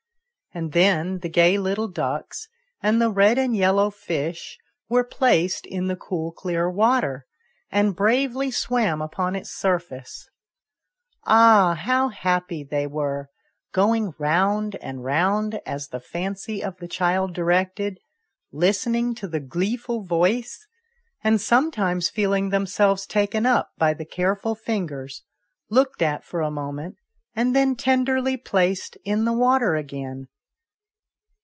And then the gay little clucks and the red and yellow fish were placed in the cool clear water, and bravely swam upon its surface. Ah, how happy they were, going round and round as the fancy of the child directed, listening to the gleeful voice, and sometimes feeling themselves taken up by the careful fingers, looked at for a moment, and then tenderly placed on the water again